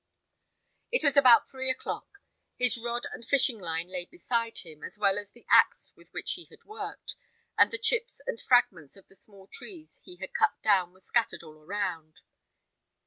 It was about three o'clock. His rod and fishing line lay beside him, as well as the axe with which he had worked, and the chips and fragments of the small trees he had cut down were scattered all around.